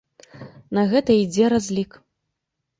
На гэта і ідзе разлік.